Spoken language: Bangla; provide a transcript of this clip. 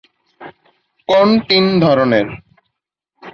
কোন্ তিন ধরনের।